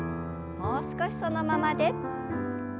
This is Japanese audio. もう少しそのままで。